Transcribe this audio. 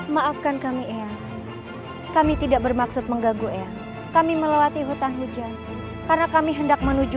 maafkan kami eyang kami tidak bermaksud mengganggu eyang kami melewati hutan hujan karena kami hendak menuju